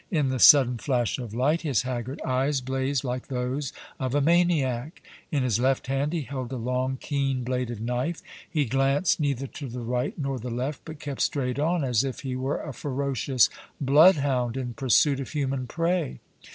In the sudden flash of light his haggard eyes blazed like those of a maniac. In his left hand he held a long, keen bladed knife. He glanced neither to the right nor the left, but kept straight on, as if he were a ferocious bloodhound in pursuit of human prey.